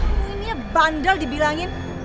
kamu ini ya bandel dibilangin